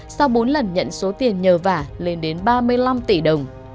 sau bốn lần nhận số tiền nhờ vả lên đến ba mươi năm tỷ đồng